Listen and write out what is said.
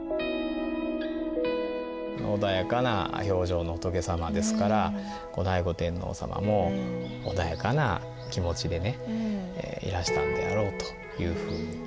穏やかな表情の仏様ですから後醍醐天皇様も穏やかな気持ちでねいらしたんであろうというふうに。